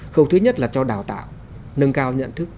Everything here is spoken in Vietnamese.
khâu thứ nhất là cho đào tạo nâng cao nhận thức